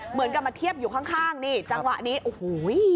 เหมือนกับมาเทียบอยู่ข้างนี่จังหวะนี้โอ้โห